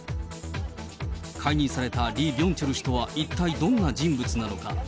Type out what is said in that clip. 解任されたリ・ビョンチョル氏とは一体どんな人物なのか。